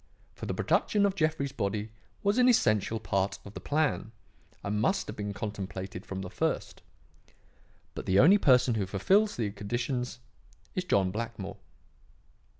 For the production of Jeffrey's body was an essential part of the plan and must have been contemplated from the first. But the only person who fulfills the conditions is John Blackmore.